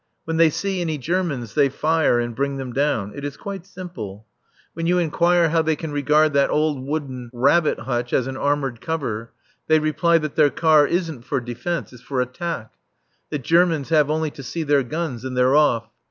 When they see any Germans they fire and bring them down. It is quite simple. When you inquire how they can regard that old wooden rabbit hutch as an armoured cover, they reply that their car isn't for defence, it's for attack. The Germans have only to see their guns and they're off.